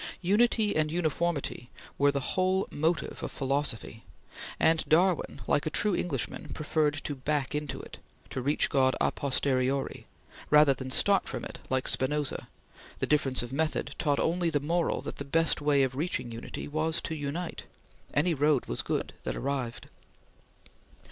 Unity and Uniformity were the whole motive of philosophy, and if Darwin, like a true Englishman, preferred to back into it to reach God a posteriori rather than start from it, like Spinoza, the difference of method taught only the moral that the best way of reaching unity was to unite. Any road was good that arrived.